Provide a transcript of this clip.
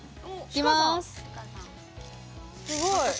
すごい。